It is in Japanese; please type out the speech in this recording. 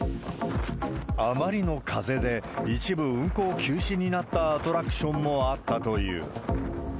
あまりの風で、一部運行休止になったアトラクションもあったという。